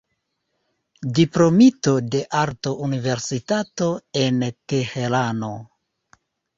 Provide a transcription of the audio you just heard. Diplomito de Arto-Universitato en Teherano.